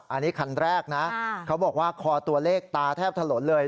อันนี้คันแรกนะเขาบอกว่าคอตัวเลขตาแทบถนนเลย